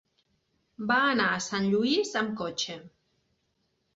Va anar a Sant Lluís amb cotxe.